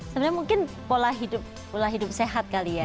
sebenernya mungkin pola hidup sehat kali ya